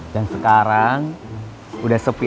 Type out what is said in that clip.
dan sekarang udah sepi